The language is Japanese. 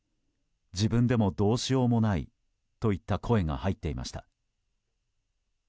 自分でもどうしようもないといった声が入っていました。